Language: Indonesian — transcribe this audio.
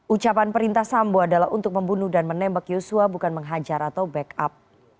ucapan perintah sambo adalah untuk membunuh dan menembak yosua bukan menghajar atau backup